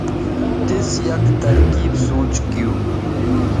تِیس یک ترکیب سوچ گِیُو